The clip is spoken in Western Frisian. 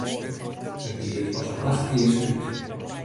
It giet as in nachtkears út.